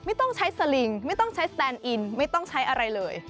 ไม่ต้องใช้สลิงไม่ต้องใช้สแตนอินไม่ต้องใช้อะไรเลย